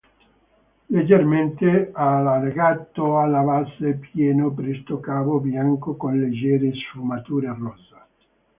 Leggermente allargato alla base, pieno, presto cavo, bianco con leggere sfumature rosa.